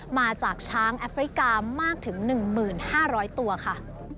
มาจากช้างแอฟริกามากถึง๑๕๐๐ตัวค่ะ